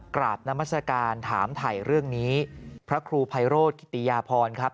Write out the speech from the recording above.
นามัศกาลถามถ่ายเรื่องนี้พระครูไพโรธกิติยาพรครับ